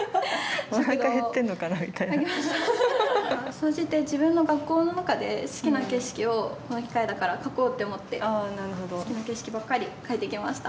総じて自分の学校の中で好きな景色をこの機会だから描こうって思って好きな景色ばっかり描いてきました。